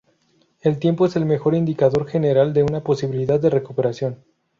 El tiempo es el mejor indicador general de una posibilidad de recuperación.